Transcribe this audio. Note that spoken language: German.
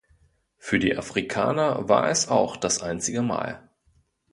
Für die Afrikaner war es auch das einzige Mal.